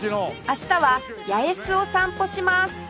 明日は八重洲を散歩します